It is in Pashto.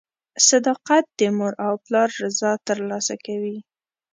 • صداقت د مور او پلار رضا ترلاسه کوي.